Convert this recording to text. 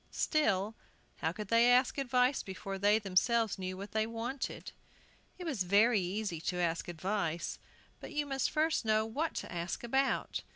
Still, how could they ask advice before they themselves knew what they wanted? It was very easy to ask advice, but you must first know what to ask about.